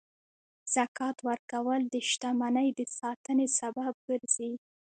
زکات ورکول د شتمنۍ د ساتنې سبب ګرځي.